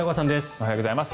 おはようございます。